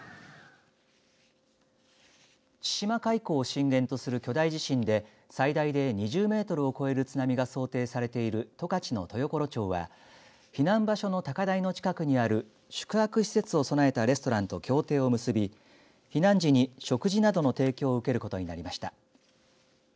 千島海溝を震源とする巨大地震で最大で２０メートルを超える津波が想定されている十勝の豊頃町は避難場所の高台の近くにある宿泊施設を備えたレストランと協定を結び避難時に食事などの提供を受けることになりました。